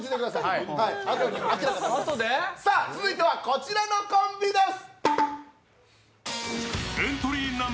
続いてはこちらのコンビです。